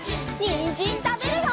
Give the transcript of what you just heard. にんじんたべるよ！